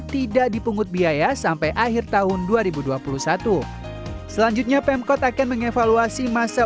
tidak dipungut biaya sampai akhir tahun dua ribu dua puluh satu selanjutnya pemkot akan mengevaluasi masa